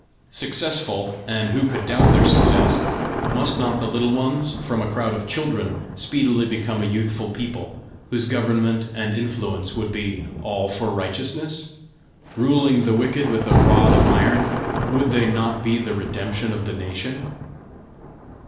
Successful, and who could doubt their success? must not the Little Ones, from a crowd of children, speedily become a youthful people, whose government and influence would be all for righteousness? Ruling the wicked with a rod of iron, would they not be the redemption of the nation?